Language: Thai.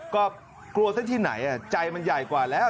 ก็กลัวซะที่ไหนใจมันใหญ่กว่าแล้ว